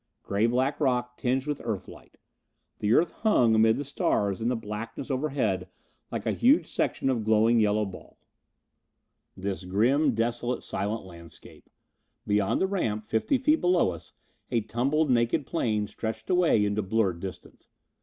Gray black rock tinged with Earth light. The Earth hung amid the stars in the blackness overhead like a huge section of glowing yellow ball. This grim, desolate, silent landscape! Beyond the ramp, fifty feet below us, a tumbled naked plain stretched away into blurred distance.